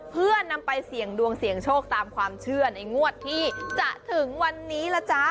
เพื่อนำไปเสี่ยงดวงเสี่ยงโชคตามความเชื่อในงวดที่จะถึงวันนี้ล่ะจ๊ะ